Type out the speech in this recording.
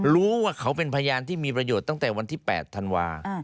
รู้ว่าเขาเป็นพยานที่มีประโยชน์ตั้งแต่วันที่๘ธันวา